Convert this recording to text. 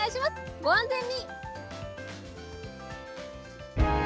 ご安全に！